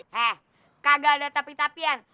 he kagak ada tapi tapian